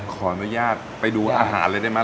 ขออนุญาตไปดูอาหารเลยได้ไหม